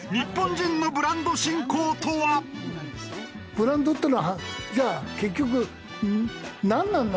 ブランドっていうのはじゃあ結局なんなんだ？